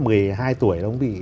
mười hai tuổi ông bị